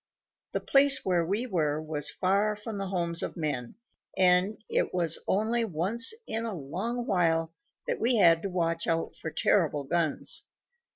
The place where we were was far from the homes of men, and it was only once in a long while that we had to watch out for terrible guns.